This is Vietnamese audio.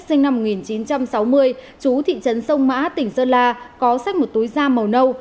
sinh năm một nghìn chín trăm sáu mươi chú thị trấn sông mã tỉnh sơn la có sách một túi da màu nâu